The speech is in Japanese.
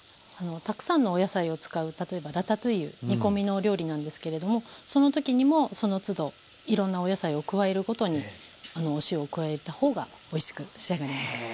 たくさんのお野菜を使う例えばラタトゥイユ煮込みのお料理なんですけれどもその時にもそのつどいろんなお野菜を加えるごとにお塩を加えた方がおいしく仕上がります。